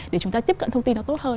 để chúng ta tiếp cận thông tin nó tốt hơn